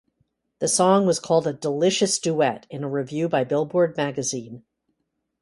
The song was called a 'delicious duet' in a review by Billboard Magazine.